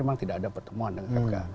memang tidak ada pertemuan dengan mk